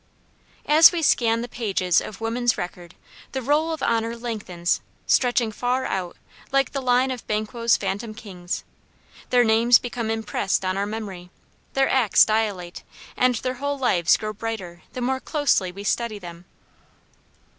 As we scan the pages of Woman's Record the roll of honor lengthens, stretching far out like the line of Banquo's phantom kings. Their names become impressed on our memory; their acts dilate, and their whole lives grow brighter the more closely we study them.